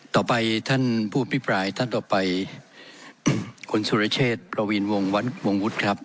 ต่อไปท่านผู้อภิปรายท่านต่อไปคุณสุรเชษฐ์ประวีนวงวันวงวุฒิครับ